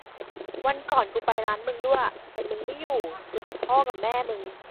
วันก่อนกูไปร้านมึงด้วย แต่มึงไม่อยู่ เจอแต่พ่อกะแม่มึง